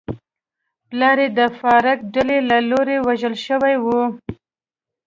پلار یې د فارک ډلې له لوري وژل شوی و.